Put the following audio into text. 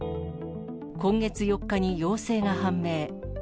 今月４日に陽性が判明。